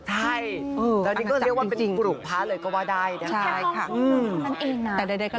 ใช่แต่ตอนนี้ก็เรียกว่าสรุปภาพเลยก็ว่าได้นะคะ